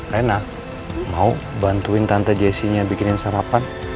rena mau bantuin tante jessi nya bikinin sarapan